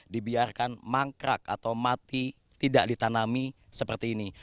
dibiarkan mangkrak atau mati tidak ditanami seperti ini